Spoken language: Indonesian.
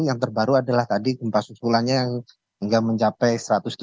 yang terbaru adalah tadi gempa susulannya yang hingga mencapai satu ratus tiga puluh